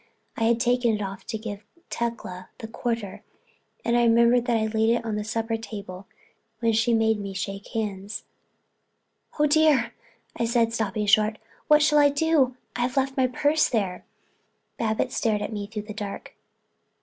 I had taken it off to give Tecla the quarter and I remember I'd laid it on the supper table when she made me shake hands. "Oh dear!" I said, stopping short. "What shall I do—I've left my purse there." Babbitts stared at me through the dark.